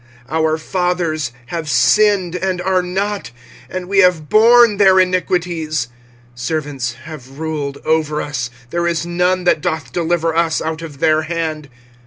25:005:007 Our fathers have sinned, and are not; and we have borne their iniquities. 25:005:008 Servants have ruled over us: there is none that doth deliver us out of their hand.